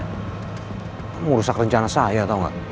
kamu rusak rencana saya tau gak